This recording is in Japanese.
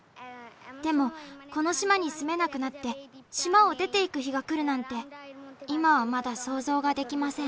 でもこの島に住めなくなって島を出て行く日が来るなんて今はまだ想像ができません。